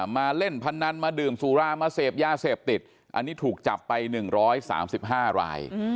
มาเล่นพนันมาดื่มสุรามาเสพยาเสพติดอันนี้ถูกจับไป๑๓๕ราย